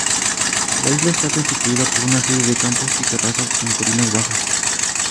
La isla está constituida por una serie de campos y terrazas en colinas bajas.